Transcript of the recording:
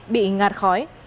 bị ngạt khói